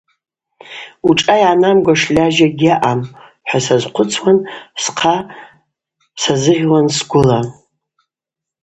Ушӏа йгӏанамгуаш льажьа гьаъам – хӏва сазхъвыцуан, схъа сазгъьуан сгвыла.